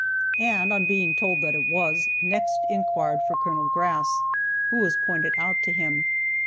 and on being told that it was, next inquired for Col. Grass, who was pointed out to him.